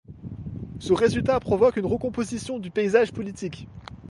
Ce résultat provoque une recomposition du paysage politique.